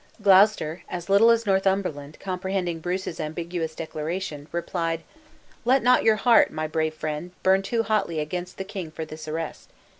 Gloucester, as little as Northumberland, comprehending Bruce's ambiguous declaration, replied, "Let not your heart, my brave friend, burn too hotly against the king for this arrest.